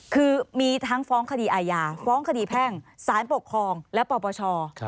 คือมีทั้งฟ้องคดีอาญาฟ้องคดีแพ่งสารปกครองและปปช